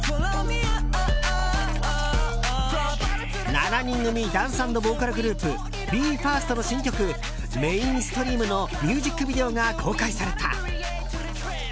７人組ダンス＆ボーカルグループＢＥ：ＦＩＲＳＴの新曲「Ｍａｉｎｓｔｒｅａｍ」のミュージックビデオが公開された。